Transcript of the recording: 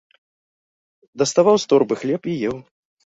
Даставаў з торбы хлеб і еў.